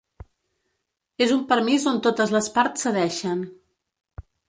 És un permís on totes les parts cedeixen.